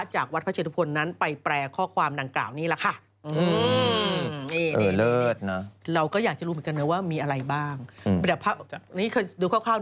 จากวัดพระเชตุพลนั้นไปแปลข้อความดังกล่าวนี้ล่ะค่ะ